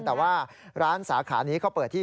แต่ว่าร้านสาขานี้เขาเปิดที่